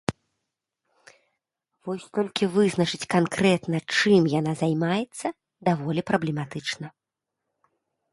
Вось толькі вызначыць канкрэтна, чым яна займаецца, даволі праблематычна.